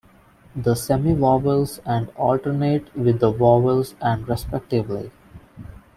The semivowels and alternate with the vowels and respectively.